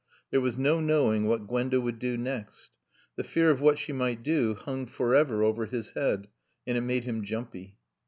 There was no knowing what Gwenda would do next. The fear of what she might do hung forever over his head, and it made him jumpy.